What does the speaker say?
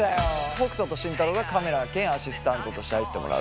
北斗と慎太郎がカメラ兼アシスタントとして入ってもらう。